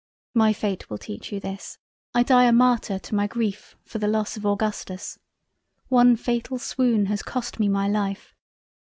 My fate will teach you this.. I die a Martyr to my greif for the loss of Augustus.. One fatal swoon has cost me my Life..